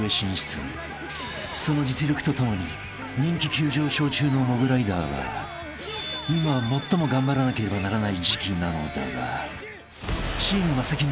［その実力とともに人気急上昇中のモグライダーは今最も頑張らなければならない時期なのだが］